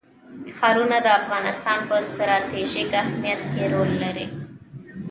ښارونه د افغانستان په ستراتیژیک اهمیت کې رول لري.